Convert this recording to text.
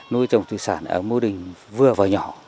nuôi trồng thủy sản ở mô đình vừa và nhỏ